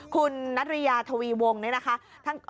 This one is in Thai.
คุณนัทริยาทวีวงเนี่ยนะคะ